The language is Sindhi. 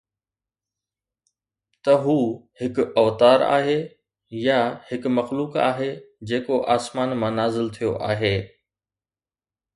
ته هو هڪ اوتار آهي يا هڪ مخلوق آهي جيڪو آسمان مان نازل ٿيو آهي